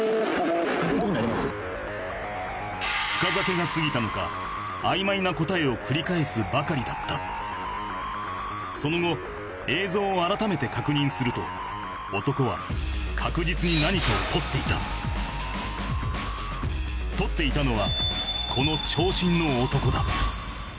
深酒が過ぎたのかを繰り返すばかりだったその後映像を改めて確認すると男は確実に何かを盗っていた盗っていたのはこの長身の男だ